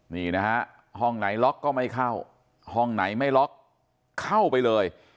นี่นะฮะห้องไหนล็อกก็ไม่เข้าห้องไหนไม่ล็อกเข้าไปเลย